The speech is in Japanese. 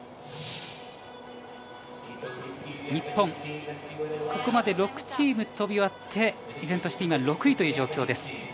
日本、ここまで６チーム飛び終わって依然として６位という状況です。